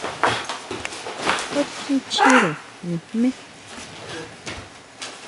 ¿Jú tjín chire nijmé?